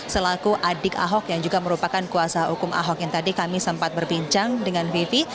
selaku adik ahok yang juga merupakan kuasa hukum ahok yang tadi kami sempat berbincang dengan vivi